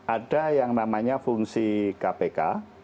ada yang namanya fungsi kpk